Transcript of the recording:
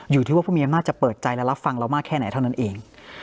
อยู่ที่ว่าผู้มีอำนาจจะเปิดใจและรับฟังเรามากแค่ไหนเท่านั้นเอง